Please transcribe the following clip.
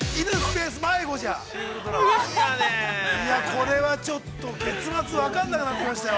◆これはちょっと、結末、分かんなくなってきましたよ。